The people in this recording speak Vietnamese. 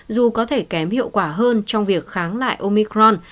dù có thể kém hiệu quả hơn trong việc kháng lại omicron